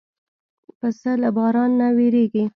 پسه له باران نه وېرېږي.